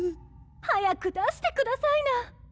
早く出してくださいな！